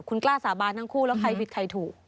คุณกล้าสาบานทั้งคู่แล้วใครผิดใครถูก